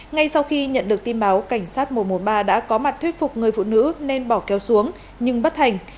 ngay sau khi nhận được tin báo cảnh sát mô mô ba đã có mặt thuyết phục người phụ nữ nên bỏ kéo xuống nhưng bất hành